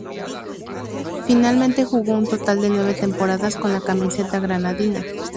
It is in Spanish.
Finalmente jugó un total de nueve temporadas con la camiseta granadina.